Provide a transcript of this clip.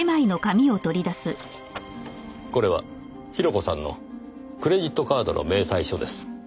これは広子さんのクレジットカードの明細書です。